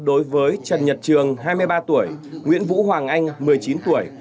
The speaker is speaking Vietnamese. đối với trần nhật trường hai mươi ba tuổi nguyễn vũ hoàng anh một mươi chín tuổi